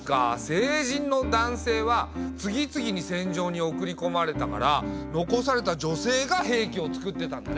成人の男性は次々に戦場に送りこまれたから残された女性が兵器をつくってたんだね。